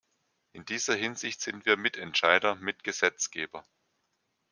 In dieser Hinsicht sind wir Mitentscheider, Mitgesetzgeber.